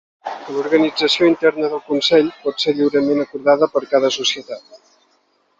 L'organització interna del consell pot ser lliurement acordada per cada societat.